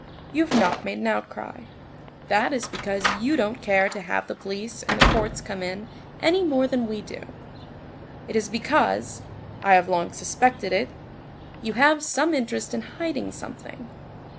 You have not made an outcry; that is because you don't care to have the police and the courts come in any more than we do. It is because,—I have long suspected it,—you have some interest in hiding something.